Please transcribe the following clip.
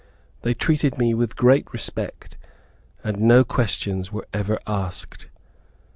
They treated me with great respect, and no questions were ever asked.